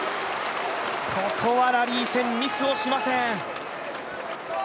ここはラリー戦ミスをしません。